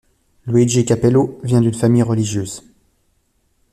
Luigi Capello vient d'une famille religieuse.